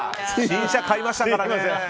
新車、買いましたからね。